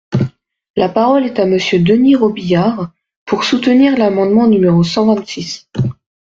La parole est à Monsieur Denys Robiliard, pour soutenir l’amendement numéro cent vingt-six.